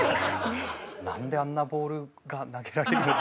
なんであんなボールが投げられるのかって。